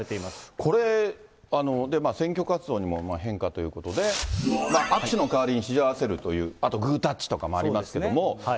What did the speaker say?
これ、選挙活動にも変化ということで、握手の代わりにひじを合わせるという、あと、グータッチとかもありますけども。